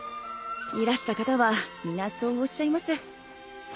いらした方は皆そうおっしゃいます。